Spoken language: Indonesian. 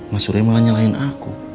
mas uri malah nyalain aku